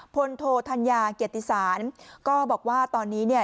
พลโทธัญญาเกียรติศาลก็บอกว่าตอนนี้เนี่ย